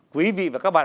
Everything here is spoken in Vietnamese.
quý vị và các bạn